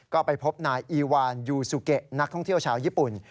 ก็ไปพบนายอีวานยูซูเกะนักท่องเที่ยวชาวญี่ปุ่น